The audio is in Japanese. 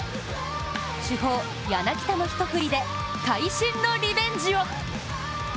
主砲・柳田の一振りで会心のリベンジを！